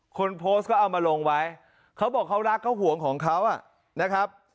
คนโพสต์ก็เอามาลงไว้เขาบอกเขารักเขาห่วงของเขานะครับ